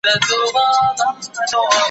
ده چي ول بالا به لاره نږدې وي باره ډېره لیري وه